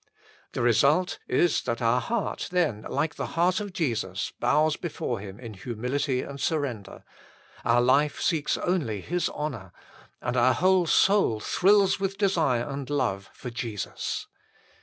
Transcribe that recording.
The result is that our heart then, like the heart of Jesus, bows before Him in humility and surrender ; our life seeks only His honour ; and our whole soul thrills with desire and love for Jesus.